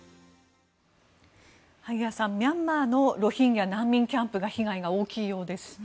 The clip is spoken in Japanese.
萩谷さん、ミャンマーのロヒンギャ難民キャンプが被害が大きいようです。